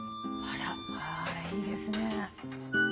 あいいですね。